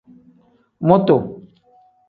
Mutu.